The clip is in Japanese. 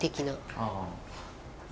ああ。